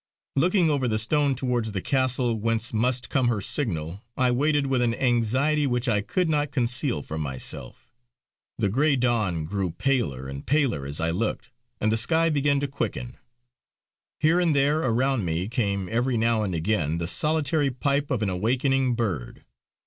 Looking over the stone towards the castle whence must come her signal I waited with an anxiety which I could not conceal from myself. The grey dawn grew paler and paler as I looked, and the sky began to quicken. Here and there around me came every now and again the solitary pipe of an awakening bird.